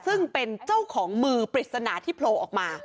ซึ่งเป็นเจ้าของมือปริศนาที่โผล่ออกมา